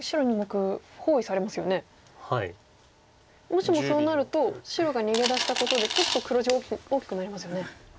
もしもそうなると白が逃げ出したことでちょっと黒地大きくなりますよね。